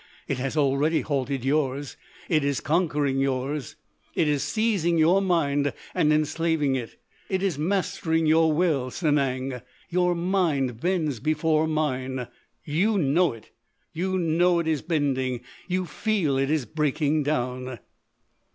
It has already halted yours. It is conquering yours. It is seizing your mind and enslaving it. It is mastering your will, Sanang! Your mind bends before mine. You know it! You know it is bending. You feel it is breaking down!"